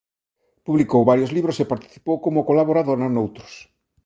Publicou varios libros e participou como colaboradora noutros.